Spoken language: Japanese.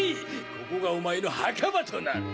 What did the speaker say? ここがお前の墓場となる！